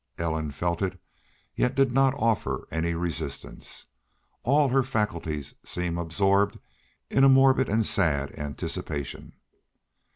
Ellen felt it, yet did not offer any resistance. All her faculties seemed absorbed in a morbid and sad anticipation.